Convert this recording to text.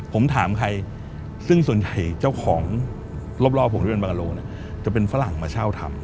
ผมถามใครซึ่งส่วนใหญ่เจ้าของรอบผมที่เป็นบางกะโลเนี่ยจะเป็นฝรั่งมาเช่าทำ